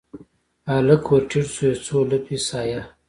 هلک ورټیټ شو یو، څو لپې سایه